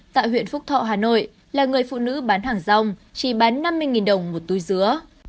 tại huyện phúc thọ hà nội là người phụ nữ bán hàng rong chỉ bán năm mươi đồng một túi dứa